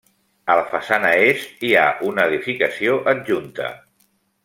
A la façana est hi ha una edificació adjunta.